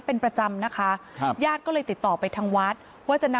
ก็จะเจ้าสามล้อให้แกไปสักหน่อย